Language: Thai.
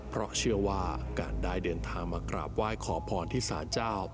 เพราะเชื่อว่าการได้เดินทางมากราบไหว้ขอพรที่สารเจ้า